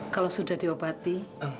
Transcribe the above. kalau sudah diobati